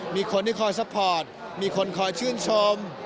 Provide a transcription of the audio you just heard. มีคนที่คอยซัพพอร์ตมีคนคอยชื่นชม